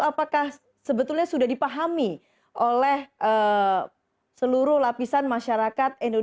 apakah sebetulnya sudah dipahami oleh seluruh lapisan masyarakat